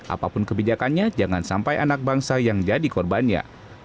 apapun kebijakannya jangan sampai anak bangsa yang jadi korbannya